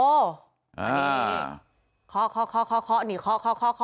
โอ้โหอ่านี่นี่ค้อค้อค้อค้อค้อนี่ค้อค้อค้อค้อ